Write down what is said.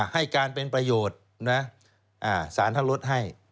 ให้การเป็นประโยชน์นะสารท่านลดให้